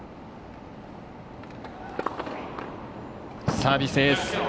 サービスエース。